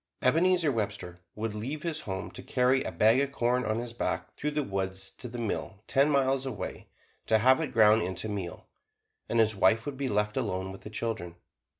Ebenezer Webster would leave his home to carry a bag of corn on his back through the woods to the mill ten miles away to have it ground into meal, and his wife would be left alone with the children.